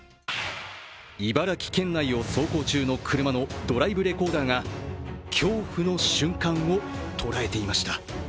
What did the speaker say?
茨城県内を走行中の車のドライブレコーダーが恐怖の瞬間をとらえていました。